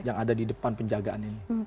yang ada di depan penjagaan ini